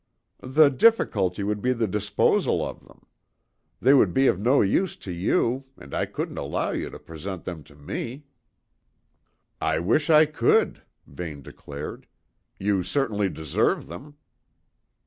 "The difficulty would be the disposal of them. They would be of no use to you, and I couldn't allow you to present them to me." "I wish I could," Vane declared. "You certainly deserve them."